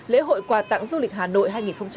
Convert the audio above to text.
lễ hội quà tặng du lịch hà nội hai nghìn hai mươi